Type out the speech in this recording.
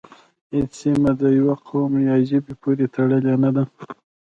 هیڅ سیمه د یوه قوم یا ژبې پورې تړلې نه ده